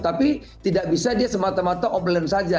tapi tidak bisa dia semata mata offline saja